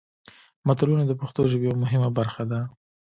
متلونه د پښتو ژبې یوه مهمه برخه ده